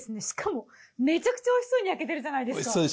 しかもめちゃくちゃ美味しそうに焼けてるじゃないですか。